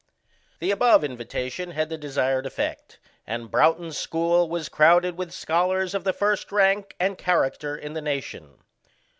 The above invitation had the desired effect, and Broughton's school was crowded with scholars of the first rank and character in the nation.